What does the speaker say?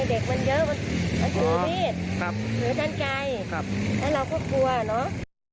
เด็กมันเยอะมันกลัวดีถือด้านใกล้แล้วเราก็กลัวเนอะ